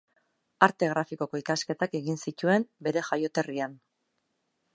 Arte grafikoko ikasketak egin zituen bere jaioterrian.